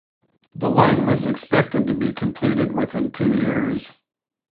The line was expected to be completed within two years.